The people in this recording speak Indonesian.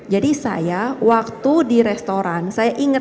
jadi saya waktu di restoran saya ingat